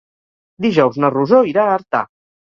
Dijous na Rosó irà a Artà.